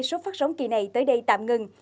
số phát sóng kỳ này tới đây tạm ngừng